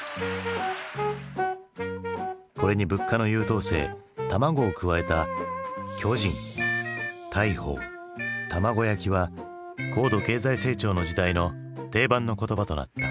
これに物価の優等生卵を加えた「巨人・大鵬・卵焼き」は高度経済成長の時代の定番の言葉となった。